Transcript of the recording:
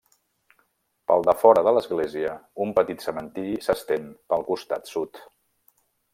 Pel defora de l'església, un petit cementiri s'estén pel costat sud.